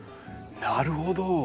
なるほど。